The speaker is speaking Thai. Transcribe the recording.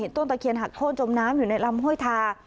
ต้นตะเคียนหักโค้นจมน้ำอยู่ในลำห้วยทา